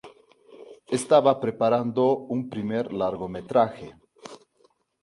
Estaba preparando un primer largometraje.